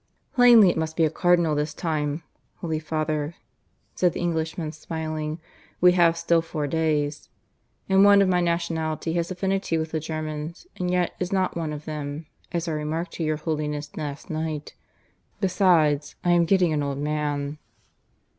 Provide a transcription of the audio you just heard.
"Plainly it must be a Cardinal this time, Holy Father," said the Englishman, smiling. "We have still four days. And one of my nationality has affinity with the Germans, and yet is not one of them, as I remarked to your Holiness last night. Besides, I am getting an old man."